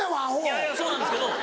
いやいやそうなんですけど。